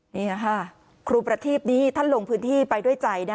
นี่ค่ะครูประทีพนี้ท่านลงพื้นที่ไปด้วยใจนะ